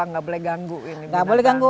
nggak boleh ganggu ini nggak boleh ganggu